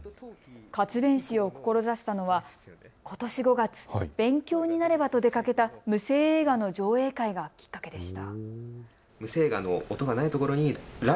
活弁士を志したのはことし５月、勉強になればと出かけた無声映画の上映会がきっかけでした。